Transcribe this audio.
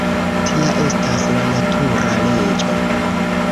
Tia estas la natura leĝo.